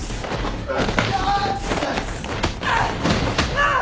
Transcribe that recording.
あっ。